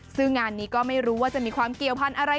ซึ่งงานนี้ก็ไม่รู้ว่าจะมีความเกี่ยวพันธุ์อะไร